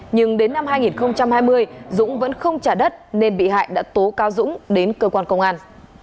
nhưng đến năm hai nghìn hai mươi dũng vẫn không trả đất nên bị hại đã tố cáo dũng đến cơ quan công an